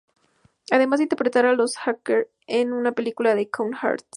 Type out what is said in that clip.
Además de interpretar a un hacker en la película "The Con Artists".